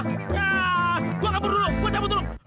gua kabur dulu gua cabut dulu